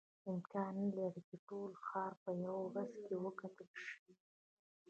امکان نه لري چې ټول ښار په یوه ورځ کې وکتل شي.